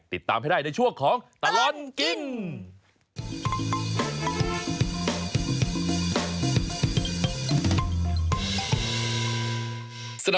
ติดตามให้ได้ในช่วงของตลอดกิน